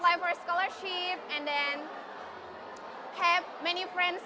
tapi mereka tidak tahu bahasa inggris